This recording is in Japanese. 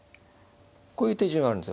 こういう手順があるんですよ。